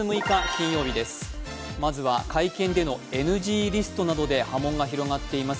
まずは、会見でのＮＧリストなどで波紋が広がっています